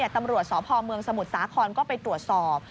ตำรวจสพเมืองสมุทรสาครก็ไปตรวจสอบ